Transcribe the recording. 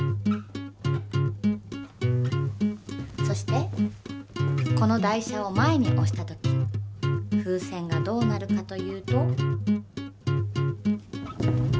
そしてこの台車を前におした時風船がどうなるかというと。